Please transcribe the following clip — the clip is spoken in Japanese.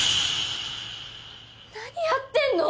何やってるの！？